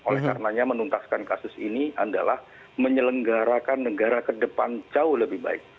oleh karenanya menuntaskan kasus ini adalah menyelenggarakan negara ke depan jauh lebih baik